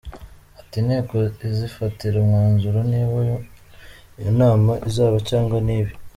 Ati “ Inteko izifatira umwanzuro niba iyo nama izaba cyangwa ntibe.